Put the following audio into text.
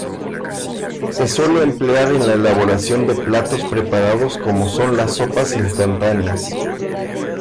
Se suele emplear en la elaboración de platos preparados como son las sopas Instantáneas.